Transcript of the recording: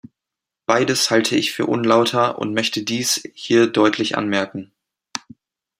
Beides halte ich für unlauter und möchte dies hier deutlich anmerken.